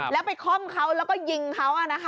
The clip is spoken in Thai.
แล้วไปคล่อมเขาแล้วก็ยิงเขา